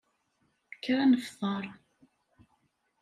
Kker ad nefteṛ.